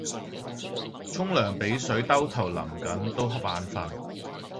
沖涼比水兜頭淋緊都恰眼瞓